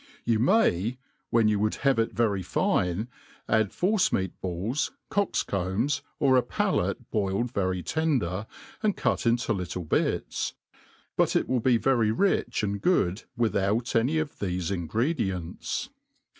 You may, when you would have it very fine, add force n^at balls, cocks combs, or a palate boiled very tender,' and cut into little .bits ; but it will be very rich and good, without any of thefe ingredients.